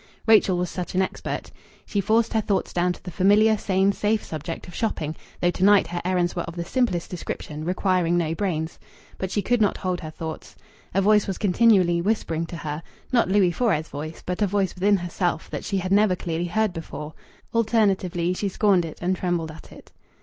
Rachel was such an expert. She forced her thoughts down to the familiar, sane, safe subject of shopping, though to night her errands were of the simplest description, requiring no brains. But she could not hold her thoughts. A voice was continually whispering to her not Louis Fores' voice, but a voice within herself, that she had never clearly heard before. Alternatively she scorned it and trembled at it.